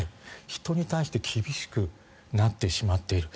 人に対して厳しくなってしまっている。